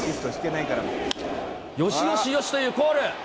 よしよしよしというコール。